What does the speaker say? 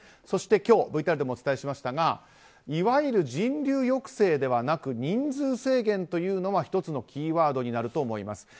そして今日ＶＴＲでもお伝えしましたがいわゆる人流抑制ではなく人数制限というのは１つのキーワードになると思います。